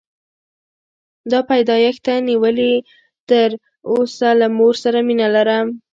له پیدایښته نیولې تر اوسه له مور سره مینه لرم.